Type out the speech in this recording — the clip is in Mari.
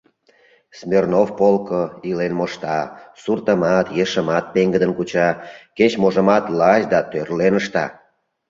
Смирнов полко илен мошта, суртымат, ешымат пеҥгыдын куча, кеч-можымат лач да тӧрлен ышта.